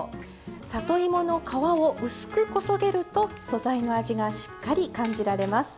里芋の皮を薄くこそげると素材の味がしっかり感じられます。